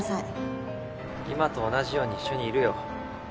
・今と同じように一緒にいるよ。